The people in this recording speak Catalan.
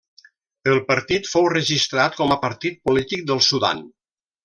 El partit fou registrat com a partit polític del Sudan.